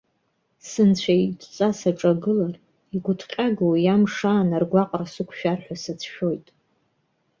Сынцәа идҵа саҿагылар, игәыҭҟьагоу уи амш аан аргәаҟра сықәшәар ҳәа сацәшәоит.